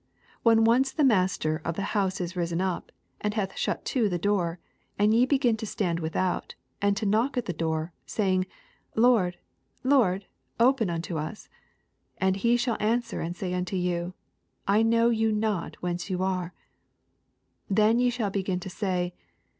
25 When once the master of the bouse is risen up, and hath shut to the door, and ye begin to stand with out, and to knock at the door, say ing, Lord, Lord, open unto us ; and he sh^ answer and say unto you, I know you not whence ye are ; 26 Then shall ye begin to say.